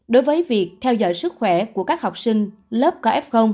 đối với việc theo dõi sức khỏe của các học sinh lớp có f